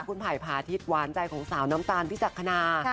คุณไผ่ผาทิสบรรของสาวน้ำตาญพิจฐกณา